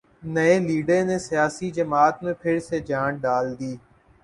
نئےلیڈر نے سیاسی جماعت میں پھر سے جان ڈال دی